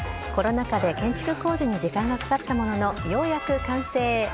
コロナ禍で建築工事に時間がかかったものの、ようやく完成。